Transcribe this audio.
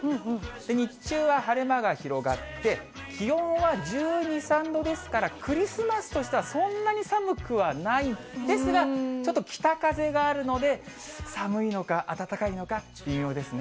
日中は晴れ間が広がって、気温は１２、３度ですから、クリスマスとしてはそんなに寒くはないですが、ちょっと北風があるので、寒いのか、暖かいのか、微妙ですね。